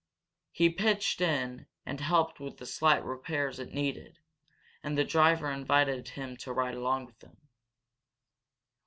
He pitched in and helped with the slight repairs it needed, and the driver invited him to ride along with him.